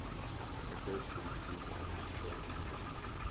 U každé zkoušky málem přišel o život.